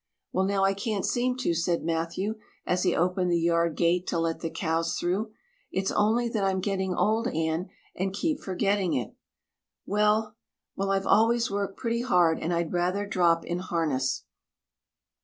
"Well now, I can't seem to," said Matthew, as he opened the yard gate to let the cows through. "It's only that I'm getting old, Anne, and keep forgetting it. Well, well, I've always worked pretty hard and I'd rather drop in harness."